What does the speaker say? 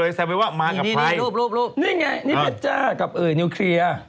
นี่ไงนี่เพชรจ้ากับนิวเคลียร์